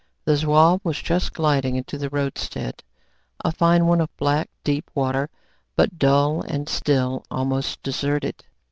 The Zouave was just gliding into the roadstead a fine one of black, deep water, but dull and still, almost deserted.